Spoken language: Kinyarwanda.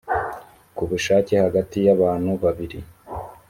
ku bushake hagati y abantu babiri